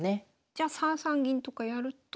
じゃあ３三銀とかやると。